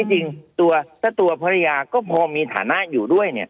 จริงถ้าตัวภรรยาก็พอมีฐานะอยู่ด้วย